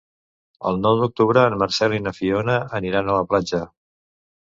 El nou d'octubre en Marcel i na Fiona aniran a la platja.